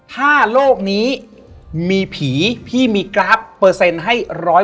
ถ้าโลกนี้มีผีพี่มีกราฟเปอร์เซ็นต์ให้๑๐๐